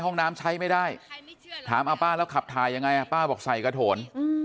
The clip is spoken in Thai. ห้องน้ำใช้ไม่ได้ถามเอาป้าแล้วขับถ่ายยังไงป้าบอกใส่กระโถน